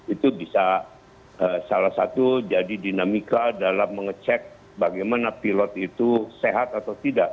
itu bisa salah satu jadi dinamika dalam mengecek bagaimana pilot itu sehat atau tidak